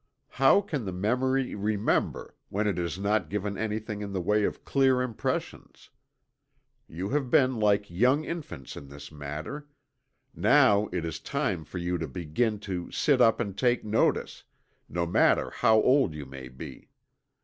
How can the memory remember, when it is not given anything in the way of clear impressions? You have been like young infants in this matter now it is time for you to begin to "sit up and take notice," no matter how old you may be.